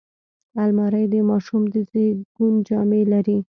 الماري د ماشوم د زیږون جامې لري